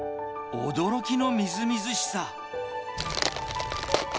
驚きのみずみずしさ。